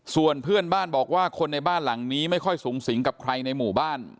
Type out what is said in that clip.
ส่วนเพื่อนบ้านบอกว่าคนในบ้านหลังนี้ไม่ค่อยสูงสิงกับใครในหมู่บ้าน